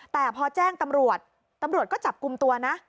แต่พอแจ้งตำรวจตำรวจก็จับกลุ่มตัวนะ